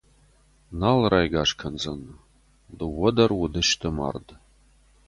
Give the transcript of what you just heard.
Нал райгас кӕндзӕн — дыууӕ дӕр уыдысты мард.